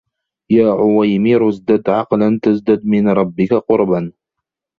يَا عُوَيْمِرُ ازْدَدْ عَقْلًا تَزْدَدْ مِنْ رَبِّك قُرْبًا